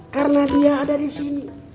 karena dia ada di sini